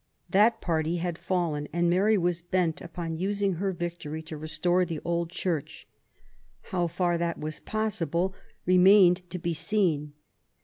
That party had fallen, and Mary was bent upon using her victor^' to restore the old Church. How far that was possible remained to be seen.